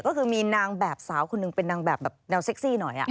ก็คือมีนางแบบสาวคนหนึ่งเป็นนางแบบแบบแนวเซ็กซี่หน่อย